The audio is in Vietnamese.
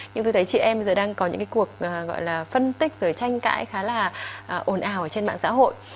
nhưng tôi thấy chị em bây giờ đang có những cái cuộc gọi là phân tích rồi tranh cãi khá là ồn ào trên mạng xã hội